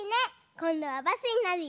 こんどはバスになるよ。